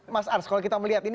mas ars kalau kita melihat ini